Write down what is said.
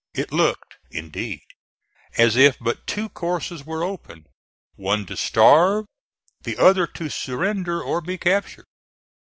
It looked, indeed, as if but two courses were open: one to starve, the other to surrender or be captured.